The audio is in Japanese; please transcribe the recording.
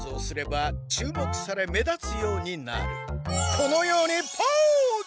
このようにポーズ！